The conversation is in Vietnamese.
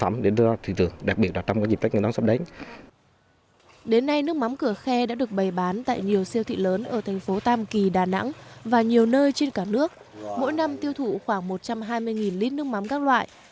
mỗi năm tiêu thụ khoảng một trăm hai mươi lít nước mắm các loại